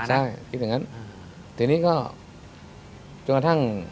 ใช่คิดอย่างนั้น